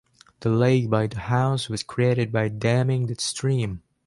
The lake by the house was created by damming the stream.